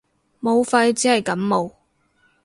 武肺只係感冒